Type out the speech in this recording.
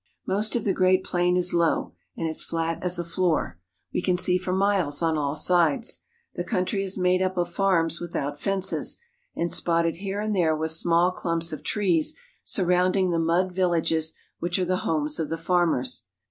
Most of the Great Plain is low, and as flat as a floor. We can see for miles on all sides. The country is made up of farms without fences, and spotted here and there with small clumps of trees surrounding the mud villages which are the homes of the farmers.